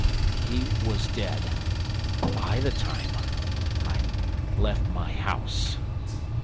He was dead ... by the time ... I left my house